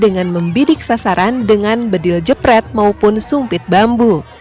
dengan membidik sasaran dengan bedil jepret maupun sumpit bambu